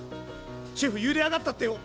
シェフゆで上がったってよ！